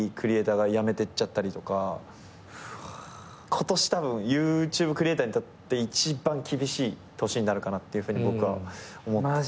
今年たぶんＹｏｕＴｕｂｅクリエイターにとって一番厳しい年になるかなって僕は思ってて。